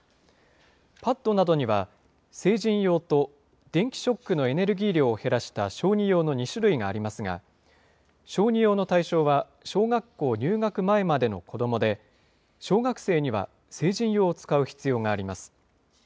パットなどには、成人用と電気ショックのエネルギー量を減らした小児用の２種類がありますが、小児用の対象は小学校入学前までの子どもで、小学生には成人用を使う必要があります。